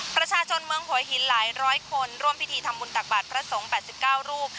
ประชาชนเมืองหัวหินหลายร้อยคนร่วมพิธีทำบุญตักบาทพระสงฆ์๘๙รูป